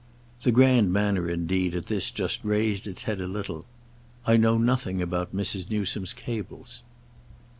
The grand manner indeed at this just raised its head a little. "I know nothing about Mrs. Newsome's cables."